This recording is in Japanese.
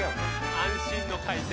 安心の回転。